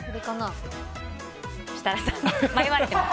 設楽さん、迷われてます？